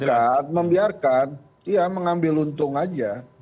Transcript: bukan membiarkan ya mengambil untung aja